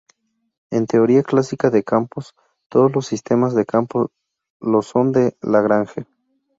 En teoría clásica de campos, todos los sistemas de campo lo son de Lagrange.